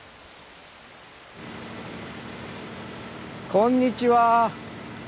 こんにちは。